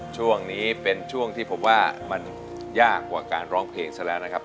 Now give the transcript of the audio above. ช่วงนี้เป็นช่วงที่ผมว่ามันยากกว่าการร้องเพลงซะแล้วนะครับ